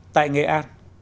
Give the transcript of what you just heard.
tại nghệ an